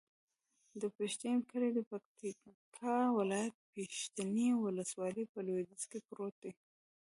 د پښتین کلی د پکتیکا ولایت، پښتین ولسوالي په لویدیځ کې پروت دی.